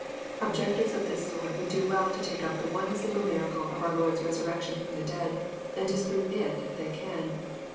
Objectors of this sort would do well to tike up the one single miracle of our Lord's resurrection from the dead, and disprove it if they can.